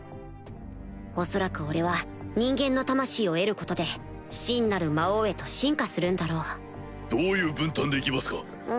恐らく俺は人間の魂を得ることで真なる魔王へと進化するんだろうどういう分担で行きますか？